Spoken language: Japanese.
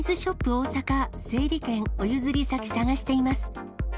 大阪、整理券お譲り先探しています。